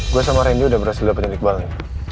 gue sama randy udah berhasil dapetin iqbal nih